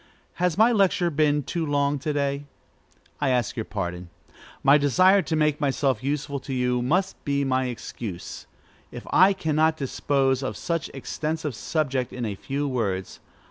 Has my lecture been too long to day? I ask your pardon. My desire to make myself useful to you must be my excuse, if I cannot dispose of such an extensive subject in a few words.